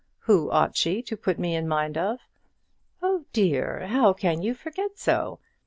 Who ought she to put me in mind of?" "Oh dear! how can you forget so?